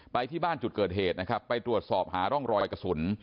ไปที่บ้านจุดเกิดเหตุนะครับไปตรวจสอบหาร่องรอยกระสุน